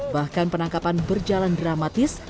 bahkan penangkapan berjalan dramatis